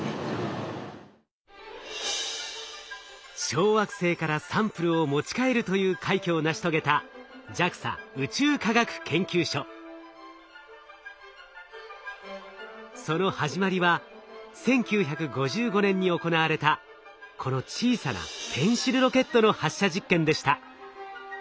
小惑星からサンプルを持ち帰るという快挙を成し遂げたその始まりは１９５５年に行われたこの小さなペンシルロケットの発射実験でした。